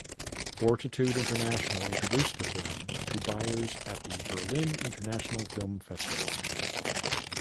Fortitude International introduced the film to buyers at the Berlin International Film Festival.